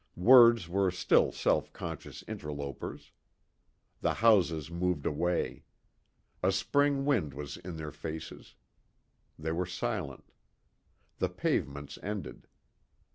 Words were still self conscious interlopers. The houses moved away. A spring wind was in their faces. They were silent. The pavements ended.